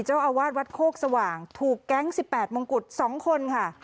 เจ้าอาวาสวัดโฆกสว่างถูกแก๊งสิบแปดมงกุฎสองคนค่ะ